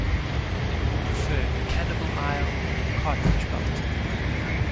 And you preferred a cannibal isle and a cartridge belt.